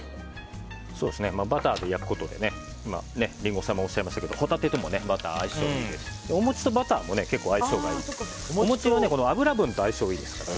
バターで焼くことでリンゴさんもおっしゃいましたがホタテともバターは相性がいいですしお餅とバターも相性がいいのでお餅は、油分と相性がいいですからね。